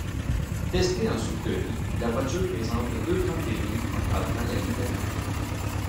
Testée en soufflerie, la voiture présente deux grandes dérives encadrant la lunette arrière.